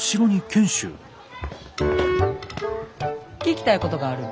聞きたいことがある。